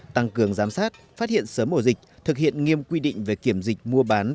tăng cường giám sát phát hiện sớm ổ dịch thực hiện nghiêm quy định về kiểm dịch mua bán